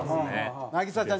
凪咲ちゃん